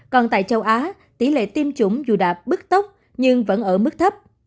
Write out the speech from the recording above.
còn tại châu á tỷ lệ tiêm chủng dù đạt bức tốc nhưng vẫn ở mức thấp